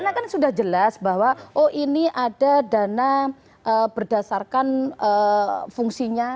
karena kan sudah jelas bahwa oh ini ada dana berdasarkan fungsinya